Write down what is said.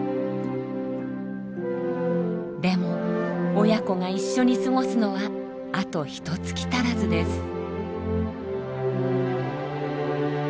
でも親子が一緒に過ごすのはあとひとつき足らずです。